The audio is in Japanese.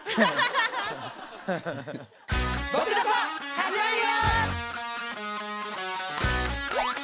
始まるよ！